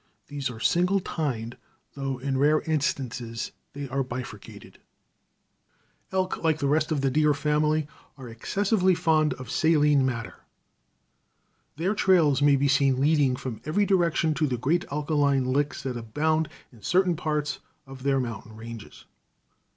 These are single tined, though in rare instances they are bifurcated.] [Illustration: Studying the Strangers. From Scribner's Magazine.] Elk, like the rest of the deer family, are excessively fond of saline matter. Their trails may be seen leading from every direction to the great alkaline licks that abound in certain parts of their mountain ranges.